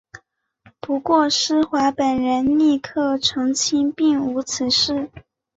不过施华本人立刻澄清并无此事。